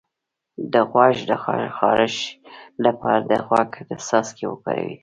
د غوږ د خارش لپاره د غوږ څاڅکي وکاروئ